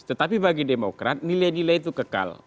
tetapi bagi demokrat nilai nilai itu kekal